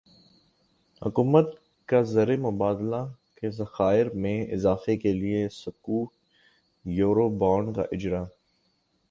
حکومت کازر مبادلہ کے ذخائر میں اضافے کےلیے سکوک یورو بانڈزکا اجراء